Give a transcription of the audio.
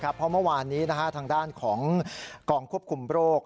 เพราะเมื่อวานนี้ทางด้านของกองควบคุมโรค